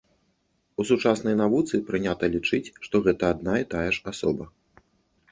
У сучаснай навуцы прынята лічыць, што гэта адна і тая ж асоба.